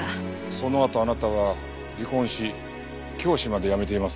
そのあとあなたは離婚し教師まで辞めていますね。